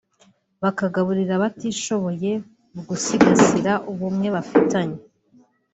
bakagaburira abatishoboye mu gusigasira ubumwe bafitanye